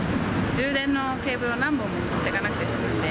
充電のケーブルを何本も持っていかなくて済むんで。